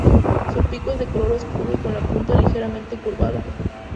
Su pico es de color oscuro y con la punta ligeramente curvada.